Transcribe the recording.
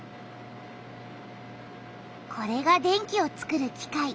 これが電気をつくる機械。